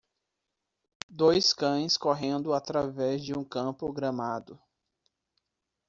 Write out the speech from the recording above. Dois cães correndo através de um campo gramado.